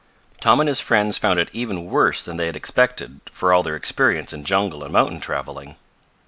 Tom and his friends found it even worse than they had expected, for all their experience in jungle and mountain traveling.